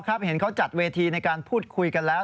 พอออกครับเห็นเขาจัดเวทีในการพูดคุยกันแล้ว